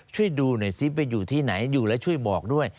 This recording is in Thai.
ช่วยดูหน่อยซิไปอยู่ที่ไหนอยู่แล้วช่วยบอกด้วย